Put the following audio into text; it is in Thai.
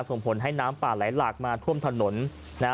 ส่งผลให้น้ำป่าไหลหลากมาท่วมถนนนะฮะ